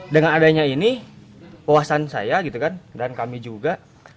dengan adanya ini puasan saya dan kami juga